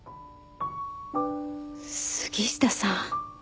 杉下さん。